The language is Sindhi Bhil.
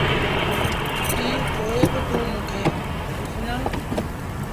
ڪيٚ پوء با توٚنٚ موٚنٚ کي ڪوندو سُڃآڻي؟